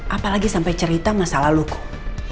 apalagi sampai cerita masalah lo kum